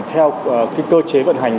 theo cơ chế vận hành